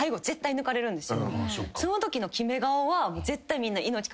そのときの決め顔は。